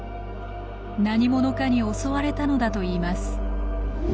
何者かに襲われたのだといいます。